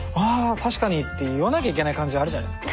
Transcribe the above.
確かにって言わなきゃいけない感じあるじゃないですか。